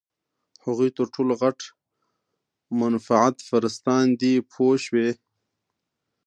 هغوی تر ټولو غټ منفعت پرستان دي پوه شوې!.